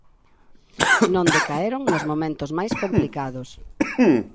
Non decaeron nos momentos máis complicados.